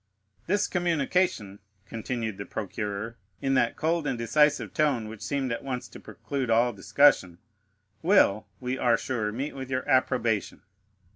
"This communication," continued the procureur, in that cold and decisive tone which seemed at once to preclude all discussion, "will, we are sure, meet with your approbation."